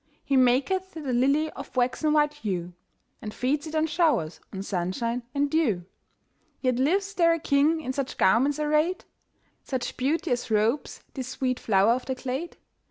He maketh the lily of waxen white hue, And feeds it on showers, on sunshine and dew; Yet lives there a king in such garments arrayed? Such beauty as robes this sweet flower of the glade?